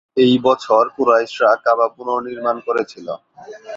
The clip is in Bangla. এই বছর কুরাইশরা কাবা পুনর্নির্মাণ করেছিল।